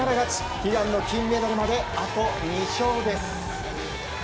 悲願の金メダルまであと２勝です。